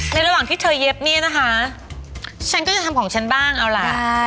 ระหว่างที่เธอเย็บเนี่ยนะคะฉันก็จะทำของฉันบ้างเอาล่ะ